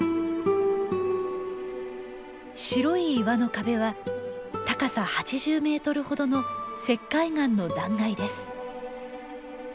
白い岩の壁は高さ８０メートルほどの石灰岩の断崖です。